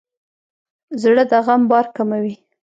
زړه د غم بار کموي.